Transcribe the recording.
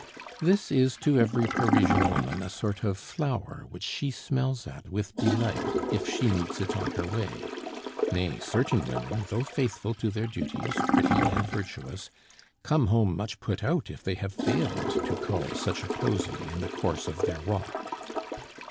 This is to every Parisian woman a sort of flower which she smells at with delight, if she meets it on her way. Nay, certain women, though faithful to their duties, pretty, and virtuous, come home much put out if they have failed to cull such a posy in the course of their walk.